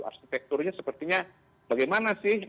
arsitekturnya sepertinya bagaimana sih